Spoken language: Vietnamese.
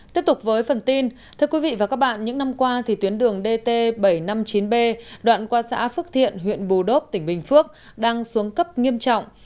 tiếp tục với phần tin thưa quý vị và các bạn những năm qua tuyến đường dt bảy trăm năm mươi chín b đoạn qua xã phước thiện huyện bù đốp tỉnh bình phước đang xuống cấp nghiêm trọng